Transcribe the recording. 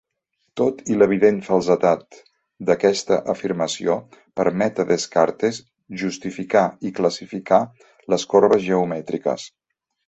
Tot i l'evident falsedat d'aquesta afirmació, permet a Descartes justificar i classificar les corbes geomètriques.